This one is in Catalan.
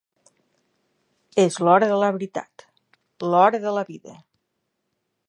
És l'hora de la veritat, l'hora de la vida.